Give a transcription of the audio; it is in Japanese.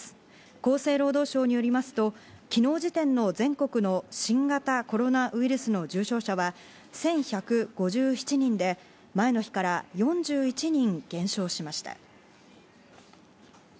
厚生労働省によりますと昨日時点の全国の新型コロナウイルスの重症者は１１５７人で、前の日から４１人減少しました。